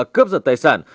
cướp giật tài sản